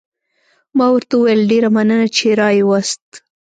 ما ورته وویل: ډېره مننه، چې را يې وست.